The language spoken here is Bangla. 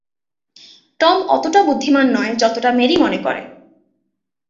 টম অতটা বুদ্ধিমান নয় যতটা মেরি মনে করে।